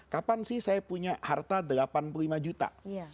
kapan sih saya punya harta delapan puluh lima juta